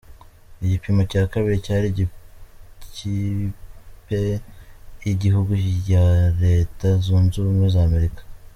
Igipimo cya kabiri, cyari ikipe y’igihugu ya Leta Zunze Ubumwe za Amerika.